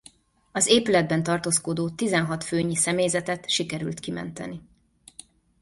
Az épületben tartózkodó tizenhat főnyi személyzetet sikerült kimenteni.